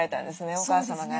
お母様がね。